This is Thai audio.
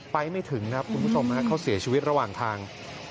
ไม่ถึงครับคุณผู้ชมเขาเสียชีวิตระหว่างทาง